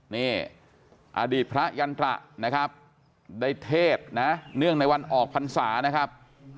นี่อดีตพระยันตระนะครับได้เทศนะเนื่องในวันออกพรรษานะครับ